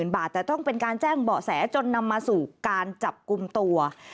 บาทแต่ต้องเป็นการแจ้งเบาะแสจนนำมาสู่การจับกลุ่มตัว